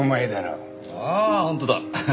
ああ本当だ。